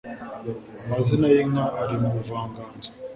amazina y'inka ari mu buvanganzo